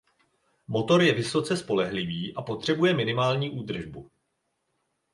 Motor je vysoce spolehlivý a potřebuje minimální údržbu.